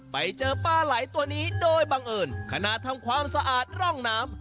ไปเจอปลาไหลตัวนี้โดยบังเอิญขณะทำความสะอาดร่องน้ำ